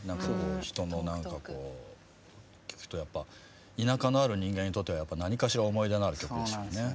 人の何かこう聴くとやっぱ田舎のある人間にとっては何かしら思い入れのある曲でしょうね。